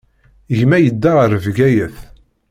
Gma yedda ɣer Bgayet.